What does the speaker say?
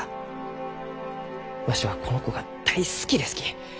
わしはこの子が大好きですき。